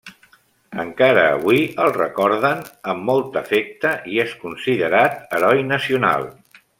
Encara avui el recorden amb molt afecte i és considerat heroi nacional.